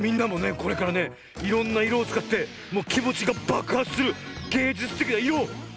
これからねいろんないろをつかってもうきもちがばくはつするげいじゅつてきないろをつくってみてくれ！